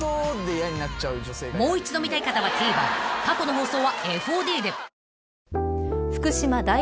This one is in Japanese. ［もう一度見たい方はＴＶｅｒ過去の放送はＦＯＤで］